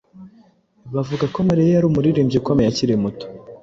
Bavuga ko Mariya yari umuririmbyi ukomeye akiri muto.